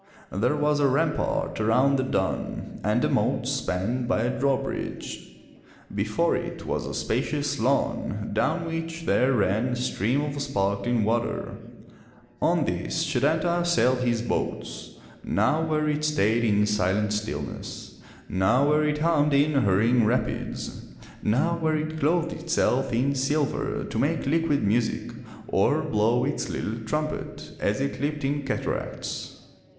There was a rampart around the dun and a moat spanned by a drawbridge. Before it was a spa cious lawn, down which there ran a stream of sparkling water. On this Setanta sailed his boats, now where it stayed in silent stillness, now where it hummed in hurrying rapids, now where it clothed itself in silver to 1 Mantle. 397 MY BOOK HOUSE make liquid music or blow its little trumpet as it leaped in cataracts.